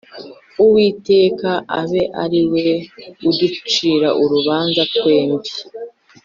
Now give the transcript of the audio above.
Uwiteka abe ari we uducira urubanza twembi